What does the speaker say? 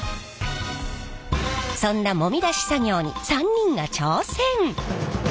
そんなもみ出し作業に３人が挑戦！